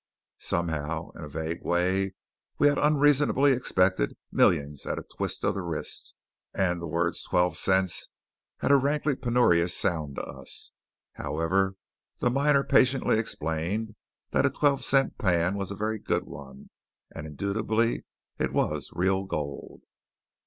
Somehow, in a vague way, we had unreasonably expected millions at a twist of the wrist; and the words, "twelve cents," had a rankly penurious sound to us. However, the miner patiently explained that a twelve cent pan was a very good one; and indubitably it was real gold.